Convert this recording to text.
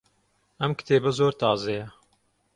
ئەم کتێبە زۆر تازەیە.